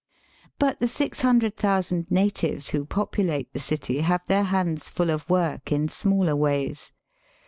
But the six hundred thousand natives who populate the city have their hands full of work in smaller ways.